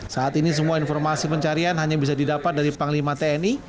saat ini semua informasi pencarian hanya bisa didapat dari panglima tni